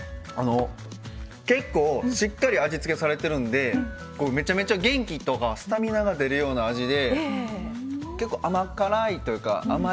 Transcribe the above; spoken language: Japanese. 結構しっかり味付けされてるんでめちゃめちゃ元気とかスタミナが出るような味で結構甘辛いというか甘い感じですね。